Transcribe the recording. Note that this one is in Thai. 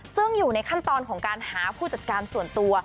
ซึ่งอยู่ในขั้นตอนของการหาผู้จัดการส่วนตัว